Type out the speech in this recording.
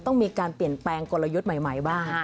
ต้องมีการเปลี่ยนแปลงกลยุทธ์ใหม่บ้าง